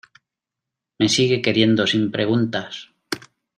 me sigue queriendo sin preguntas